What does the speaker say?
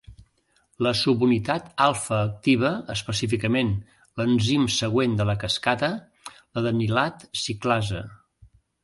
La subunitat alfa activa específicament l'enzim següent de la cascada, l'adenilat ciclasa.